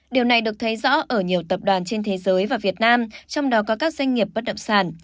điều này được thấy rõ ở nhiều tập đoàn trên thế giới và việt nam trong đó có các doanh nghiệp bất động sản